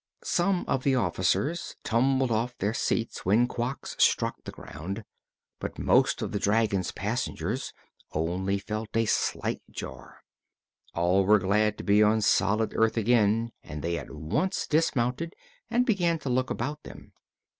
Some of the officers tumbled off their seats when Quox struck the ground, but most of the dragon's passengers only felt a slight jar. All were glad to be on solid earth again and they at once dismounted and began to look about them.